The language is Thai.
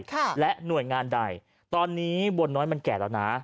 ค่ะและหน่วยงานใดตอนนี้บัวน้อยมันแก่แล้วนะ